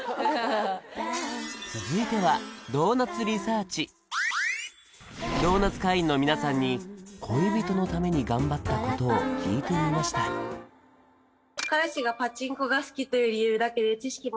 続いてはドーナツ会員の皆さんに恋人のために頑張ったことを聞いてみました頑張ったねえ！